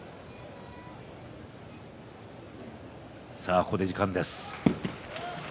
ここで時間です。